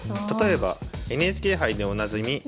例えばＮＨＫ杯でおなじみ